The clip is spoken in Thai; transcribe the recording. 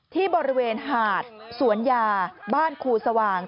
ที่บริเวณหาดสวนยาบ้านครูสว่าง